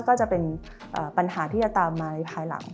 ก็จะเป็นปัญหาที่ตามมาไหนภายล่าง